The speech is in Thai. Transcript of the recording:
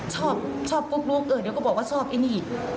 ชอบชอบปุ๊บลูกเออเดี๋ยวก็บอกว่าชอบไอ้นี่